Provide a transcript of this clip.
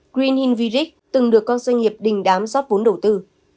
green hill village từng được con doanh nghiệp đình đám rót vốn đầu tư